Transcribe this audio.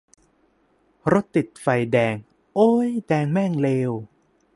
รถติดไฟแดง โอ๊ย แดงแม่งเลว